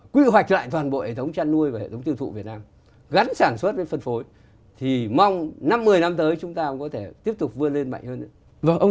quy hoạch lại toàn bộ hệ thống chăn nuôi và hệ thống tiêu dùng